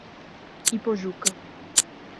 Ipojuca